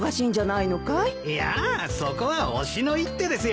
いやそこは押しの一手ですよ。